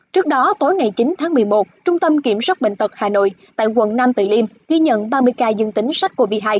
trước đó tối ngày chín tháng một mươi một trung tâm kiểm soát bệnh tật hà nội tại quận nam từ liêm ghi nhận ba mươi ca dương tính sars cov hai